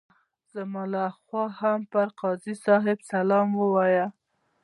زما لخوا هم پر قاضي صاحب سلام ووایه.